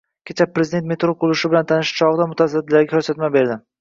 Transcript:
Kecha prezident metro qurilishi bilan tanishish chog'ida mutasaddilarga ko'rsatma berdi